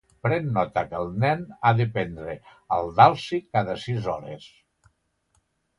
Pren nota que el nen ha de prendre el Dalsy cada sis hores.